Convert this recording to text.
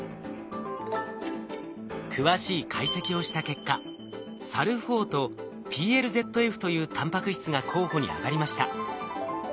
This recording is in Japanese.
詳しい解析をした結果ＳＡＬＬ４とＰＬＺＦというタンパク質が候補に挙がりました。